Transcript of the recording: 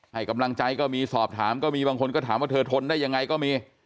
ให้กำลังใจก็มีสอบถามก็มีบางคนก็ถามว่าเธอทนได้ยังไงก็มี